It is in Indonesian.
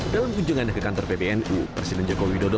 dalam ujungan ke kantor pbnu presiden jokowi dodo